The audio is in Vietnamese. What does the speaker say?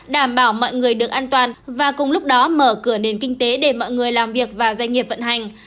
đảm bảo mọi người được an toàn và cùng lúc đó mở cửa nền kinh tế để mọi người làm việc và doanh nghiệp vận hành